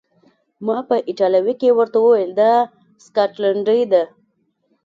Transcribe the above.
ما په ایټالوي کې ورته وویل: دا سکاټلنډۍ ده.